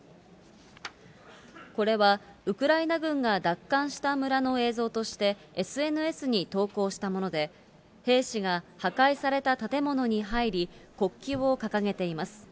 これはウクライナ軍が奪還した村の映像として、ＳＮＳに投稿したもので、兵士が破壊された建物に入り、国旗を掲げています。